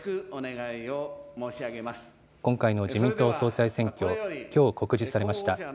今回の自民党総裁選挙、きょう告示されました。